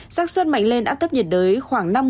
sát xuất mạnh lên áp thấp nhiệt đới khoảng năm mươi sáu mươi